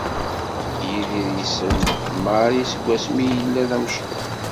Yidir yessen Mary seg wasmi yella d amecṭuḥ.